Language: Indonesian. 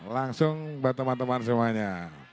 langsung buat teman teman semuanya